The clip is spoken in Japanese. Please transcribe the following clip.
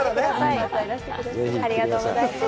ありがとうございます。